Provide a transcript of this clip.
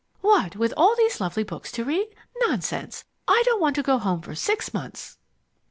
"What, with all these lovely books to read? Nonsense! I don't want to go home for six months!"